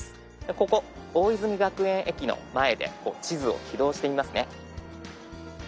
ここ大泉学園駅の前で地図を起動してみますね。